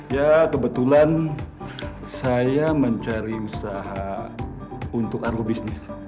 ya kebetulan saya mencari usaha untuk argo bisnis